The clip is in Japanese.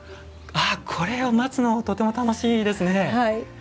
あっこれを待つのとても楽しいですね。